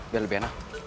biar lebih enak